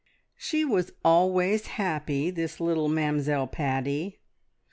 She was always happy, this little Mamzelle Paddy.